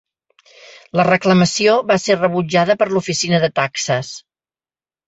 La reclamació va ser rebutjada per l'Oficina de Taxes.